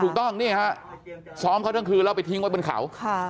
ถูกต้องนี่ฮะซ้อมเขาทั้งคืนแล้วไปทิ้งไว้บนเขา